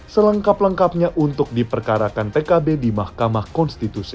selengkap lengkapnya untuk diperkarakan pkb di mahkamah konstitusi